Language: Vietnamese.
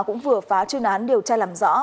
cũng vừa phá chương án điều tra làm rõ